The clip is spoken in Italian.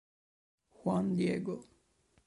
Juan Diego